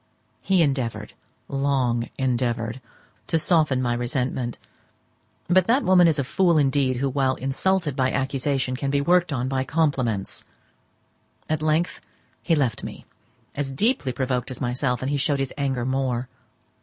He endeavoured, long endeavoured, to soften my resentment; but that woman is a fool indeed who, while insulted by accusation, can be worked on by compliments. At length he left me, as deeply provoked as myself; and he showed his anger more.